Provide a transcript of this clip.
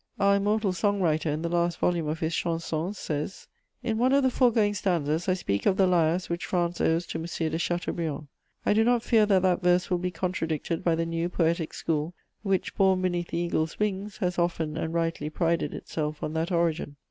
Our immortal song writer, in the last volume of his Chansons, says: "In one of the foregoing stanzas I speak of the 'lyres' which France owes to M. de Chateaubriand. I do not fear that that verse will be contradicted by the new poetic school, which, born beneath the eagle's wings, has often and rightly prided itself on that origin.